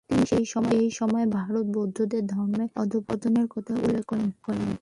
তিনি সেই সময়ে ভারতে বৌদ্ধ ধর্মের অধঃপতনের কথা উল্লেখ করেন।